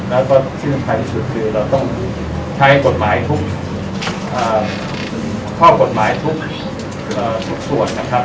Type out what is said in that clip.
แล้วก็ที่สำคัญที่สุดคือเราต้องใช้กฎหมายทุกข้อกฎหมายทุกส่วนนะครับ